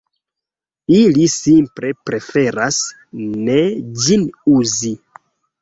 Ili simple preferas ne ĝin uzi.